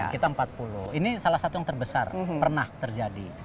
kita empat puluh ini salah satu yang terbesar pernah terjadi